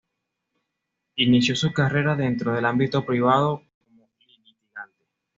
Inició su carrera dentro del ámbito privado como litigante.